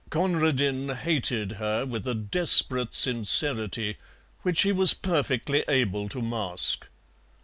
Conradin hated her with a desperate sincerity which he was perfectly able to mask.